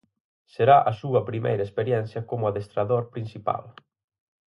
Será a súa primeira experiencia como adestrador principal.